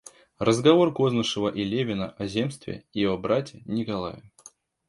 Разговор Кознышева и Левина о земстве и о брате Николае.